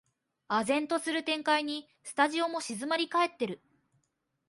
唖然とする展開にスタジオも静まりかえってる